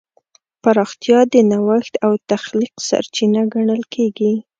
پراختیا د نوښت او تخلیق سرچینه ګڼل کېږي.